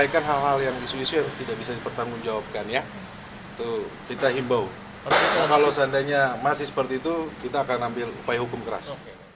kalau seandainya masih seperti itu kita akan ambil upaya hukum keras